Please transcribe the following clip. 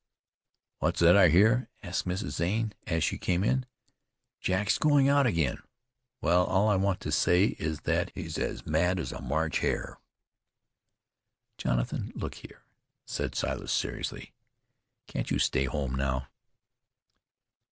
"What's that I hear?" asked Mrs. Zane as she came in. "Jack's going out again? Well, all I want to say is that he's as mad as a March hare." "Jonathan, look here," said Silas seriously. "Can't you stay home now?"